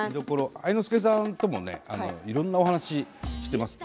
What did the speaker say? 愛之助さんともいろんなお話をしています。